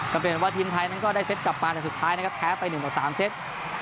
ก็เป็นว่าทีมไทยก็ได้เสิร์ฟกลับมาแต่สุดท้ายนะครับแพ้ไป๑๓เซต